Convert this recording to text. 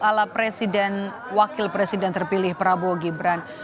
ala presiden wakil presiden terpilih prabowo gibran